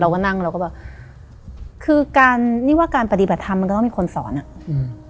นั่งเราก็แบบคือการนี่ว่าการปฏิบัติธรรมมันก็ต้องมีคนสอนอ่ะอืม